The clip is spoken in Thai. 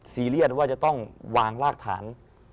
ซีเรียสว่าจะต้องวางรากฐาน